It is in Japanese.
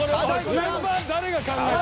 順番誰が考えた？